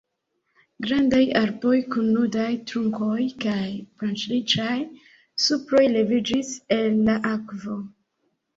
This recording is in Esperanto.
Grandaj arboj kun nudaj trunkoj kaj branĉriĉaj suproj leviĝis el la akvo.